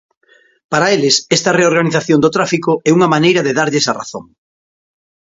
Para eles, esta reorganización do tráfico é unha maneira de darlles a razón.